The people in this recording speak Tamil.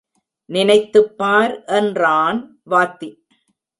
நினைத்துப் பார் என்றான் வாத்தி.